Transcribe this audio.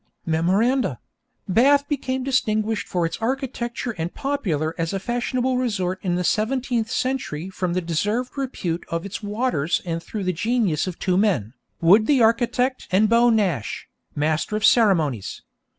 Memoranda: _Bath became distinguished for its architecture and popular as a fashionable resort in the 17th century from the deserved repute of its waters and through the genius of two men, Wood the architect and Beau Nash, Master of Ceremonies.